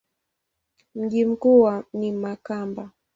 Mji mkuu ni Makamba.